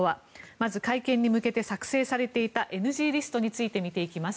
まずは会見に向け作成されていたＮＧリストについて見ていきます。